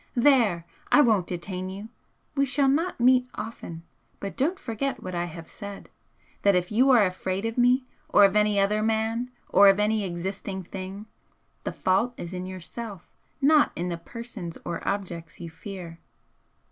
There! I won't detain you! We shall not meet often but don't forget what I have said, that if you are afraid of me, or of any other man, or of any existing thing, the fault is in yourself, not in the persons or objects you fear.'